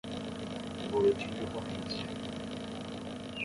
Boletim de ocorrência